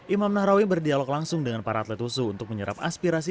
imam nahrawi berdialog langsung dengan para atlet wusu untuk menyerap aspirasi